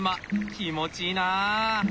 気持ちいいな！